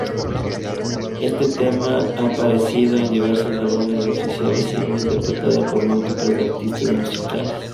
Este tema ha aparecido en diversos álbumes oficiales, siendo interpretada por múltiples artistas musicales.